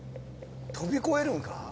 飛び越えるんか？